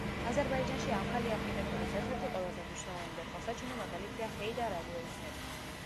აზერბაიჯანში ახალი არქიტექტურის ერთ-ერთი ყველაზე მნიშვნელოვანი და თვალსაჩინო მაგალითია ჰეიდარ ალიევის ცენტრი.